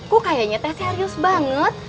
kok kayaknya tes serius banget